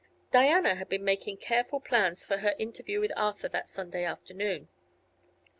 Diana had been making careful plans for her interview with Arthur that Sunday afternoon.